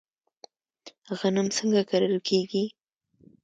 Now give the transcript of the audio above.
غنم څنګه کرل کیږي؟